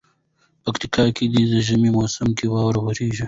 پکتيا کي دي ژمي موسم کي واوري وريږي